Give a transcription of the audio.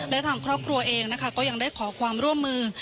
และทางครอบครัวเองนะคะก็ยังได้ขอความร่วมมือ